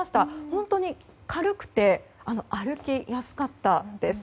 本当に軽くて歩きやすかったです。